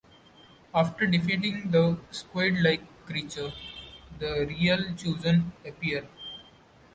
After defeating the squid-like creature, the real Chosen appear.